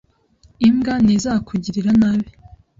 Imbwa ntizakugirira nabi